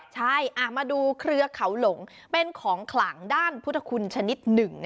ใช่มาดูเครือเขาหลงเป็นของขลังด้านพุทธคุณชนิดหนึ่ง